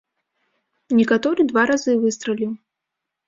Некаторы два разы выстраліў.